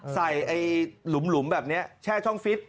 ใส่หลุมแบบเนี้ยอยู่แชร์ช่องฟิส